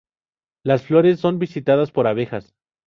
Las flores son visitadas por abejas.